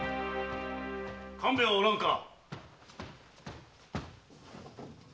官兵衛はおらぬか！